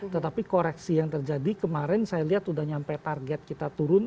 tetapi koreksi yang terjadi kemarin saya lihat sudah sampai target kita turun enam empat ratus lima puluh